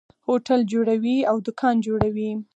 هوټل جوړوي او دکان جوړوي.